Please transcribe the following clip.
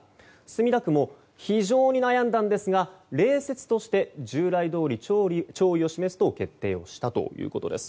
墨田区も非常に悩んだんですが礼節として従来どおり、弔意を示すと決定したということです。